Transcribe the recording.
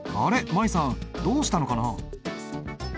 舞悠さんどうしたのかな？